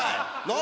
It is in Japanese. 何？